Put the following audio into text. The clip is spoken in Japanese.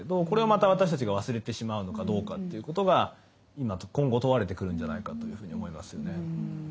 これをまた私たちが忘れてしまうのかどうかっていうことが今後問われてくるんじゃないかというふうに思いますよね。